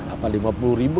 apa lima puluh ribu